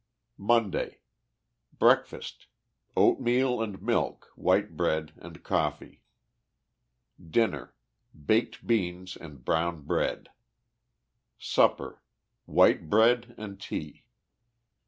MONDAY. Breakfast. — Oatmeal and milk, white bread and coffee. Dinner. — Baked beans and brown bread. Supper. — White bread and tea.